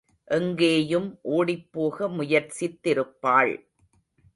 எங்கேயும் ஓடிப்போக முயற்சித்திருப்பாள்.